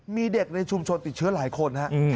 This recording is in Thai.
มีเด็กในชุมชนติดเชื้อหลายคนฮะ